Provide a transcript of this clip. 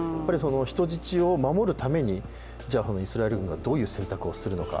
人質を守るために、イスラエル軍がどういう選択をするのか。